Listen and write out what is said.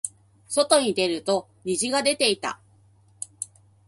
外に出ると虹が出ていた。